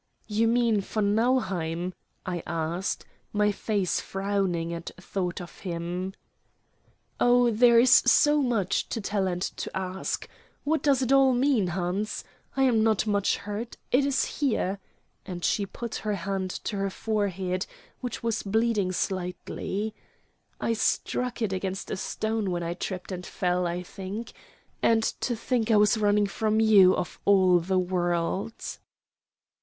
"You mean von Nauheim?" I asked, my face frowning at thought of him. "Oh, there is so much to tell and to ask. What does it all mean, Hans? I am not much hurt. It is here," and she put her hand to her forehead, which was bleeding slightly. "I struck it against a stone when I tripped and fell, I think. And to think I was running from you, of all the world!"